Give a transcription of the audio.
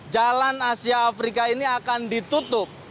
jalan asia afrika ini akan ditutup